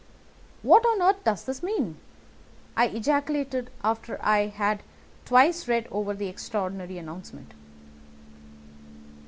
"What on earth does this mean?" I ejaculated after I had twice read over the extraordinary announcement.